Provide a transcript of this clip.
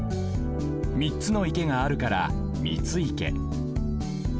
みっつの池があるから三ツ池